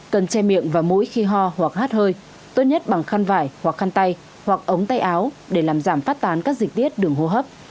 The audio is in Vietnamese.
cần che miệng và mũi khi ho hoặc hát hơi tốt nhất bằng khăn vải hoặc khăn tay hoặc ống tay áo để làm giảm phát tán các dịch tiết đường hô hấp